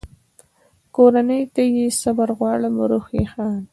کورنۍ ته یې صبر غواړم، روح یې ښاد.